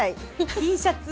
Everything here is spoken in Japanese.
Ｔシャツ。